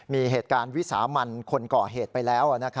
มีเหตุการณ์วิสามันคนก่อเหตุไปแล้ว